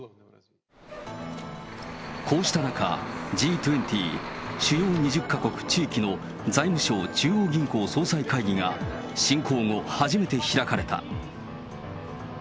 こうした中、Ｇ２０・主要２０か国・地域の財務相・中央銀行総裁会議が、侵攻後、初めて開かれた。